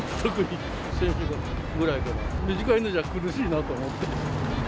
先週ぐらいから急に、短いのじゃ苦しいなと思って。